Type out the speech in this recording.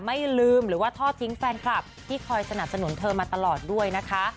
ไม่ลืมหรือว่าทอดทิ้งแฟนคลับที่คอยสนับสนุนเธอมาตลอดด้วยนะคะ